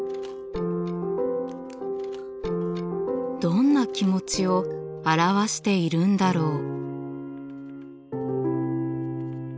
どんな気持ちを表しているんだろう？